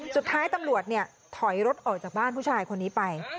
สุดท้ายตำรวจถอยรถออกจากบ้านผู้ชายคนนี้ไป